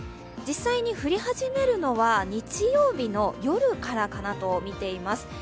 実際に降り始めるのは日曜日の夜からかなと見ています。